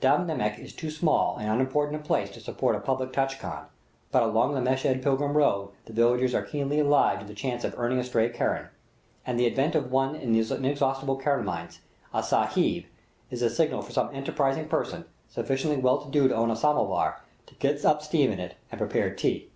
Deh Namek is too small and unimportant a place to support a public tchai khan; but along the Meshed pilgrim road the villagers are keenly alive to the chance of earning a stray keran, and the advent of one of those inexhaustible keran mines, a "Sahib," is the signal for some enterprising person, sufficiently well to do to own a samovar, to get up steam in it and prepare tea.